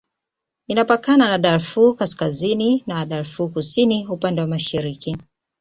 Inapakana na Darfur Kaskazini na Darfur Kusini upande wa mashariki.